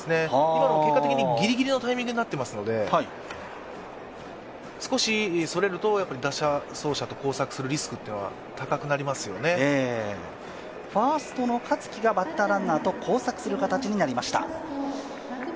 今のも結果的にギリギリのタイミングになっていますので、少しそれると、打者・走者と交錯するリスクがファーストの香月がバッターランナーと交錯する形になりました。